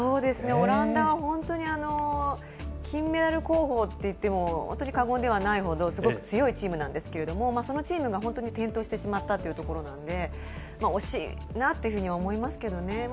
オランダは本当に金メダル候補といっても本当に過言ではないほどすごく強いチームなんですけどもそのチームが転倒してしまったというところなので惜しいなっていうふうに思いますけどね。